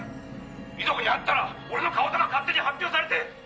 「遺族に会ったら俺の顔とか勝手に発表されて」